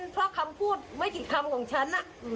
เพราะคำพูดไม่กี่คำของฉัน